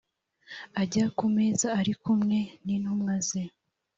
ajya ku meza ari kumwe n intumwa ze